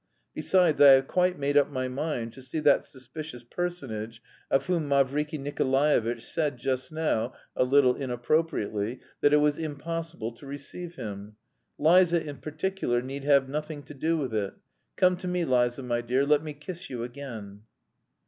Besides, I have quite made up my mind to see that suspicious personage of whom Mavriky Nikolaevitch said just now, a little inappropriately, that it was impossible to receive him. Liza in particular need have nothing to do with it. Come to me, Liza, my dear, let me kiss you again."